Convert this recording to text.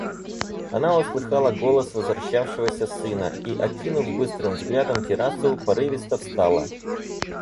Она услыхала голос возвращавшегося сына и, окинув быстрым взглядом террасу, порывисто встала.